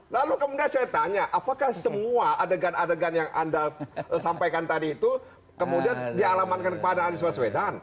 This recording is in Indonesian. lalu kemudian saya tanya apakah semua adegan adegan yang anda sampaikan tadi itu kemudian dialamatkan kepada anies baswedan